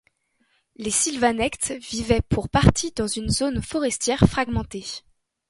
Les Silvanectes vivaient pour partie dans une zone forestière fragmentée.